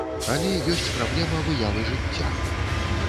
Але ёсць праблема выявы жыцця.